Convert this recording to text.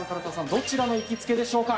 どちらの行きつけでしょうか？